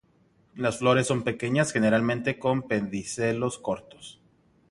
Las flores son pequeñas, generalmente con pedicelos cortos.